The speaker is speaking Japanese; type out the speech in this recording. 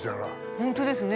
本当ですね。